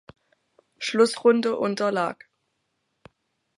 Schlussrunde unterlag.